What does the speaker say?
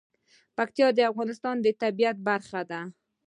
پکتیکا د افغانستان د طبیعت برخه ده.